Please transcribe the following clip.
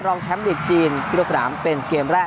รองแชมป์ลีกจีนที่ลงสนามเป็นเกมแรก